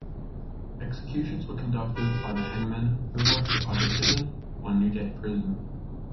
Executions were conducted by the hangmen who worked at either Tyburn or Newgate Prison.